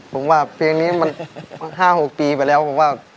ผมว่าเพลงนี้มัน๕๖ปีไปแล้วผมว่า